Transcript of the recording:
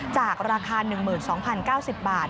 จากราคา๑๒๐๙๐บาท